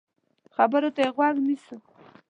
خبرو ته يې غوږ نیسو.